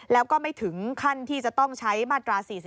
แล้วก็ไม่ถึงขั้นที่จะต้องใช้มาตรา๔๔